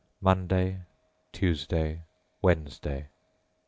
Monday. Tuesday. Wednesday.